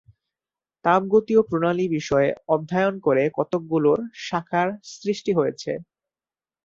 তাপগতীয় প্রণালী বিষয়ে অধ্যয়ন করে কতকগুলো শাখার সৃষ্টি হয়েছে।